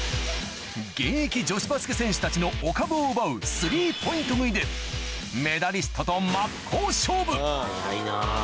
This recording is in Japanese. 現役女子バスケ選手たちのお株を奪う３ポイント食いでメダリストと真っ向勝負早いな。